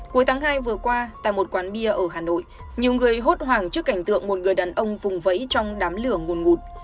cuối tháng hai vừa qua tại một quán bia ở hà nội nhiều người hốt hoảng trước cảnh tượng một người đàn ông vùng vẫy trong đám lửa nguồn ngụt